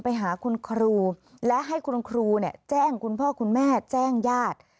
ไปหาคุณครูและให้คุณครูแจ้งคุณพ่อคุณแม่แจ้งญาติ